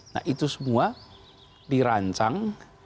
nah itu semua dirancang